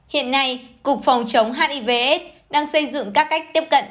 hiện nay cục phòng chống hiv aids đang xây dựng các cách tiếp cận